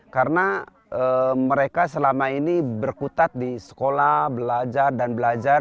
karena mereka selama ini berkutat di sekolah belajar dan belajar